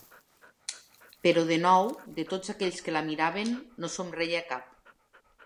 Però, de nou, de tots aquells que la miraven, no somreia cap.